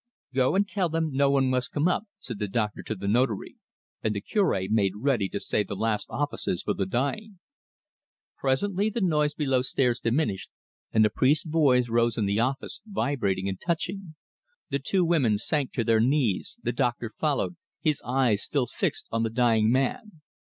"Go and tell them no one must come up," said the doctor to the Notary, and the Cure made ready to say the last offices for the dying. Presently the noise below stairs diminished, and the priest's voice rose in the office, vibrating and touching. The two women sank to their knees, the doctor followed, his eyes still fixed on the dying man.